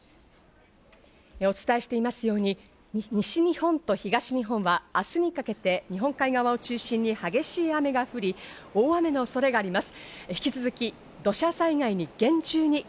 お伝えしていますように、西日本と東日本は明日にかけて日本海側を中心に激しい雨が降り、大雨の恐れがあります。